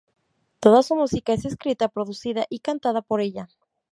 Toda su música es escrita, producida y cantada por ella.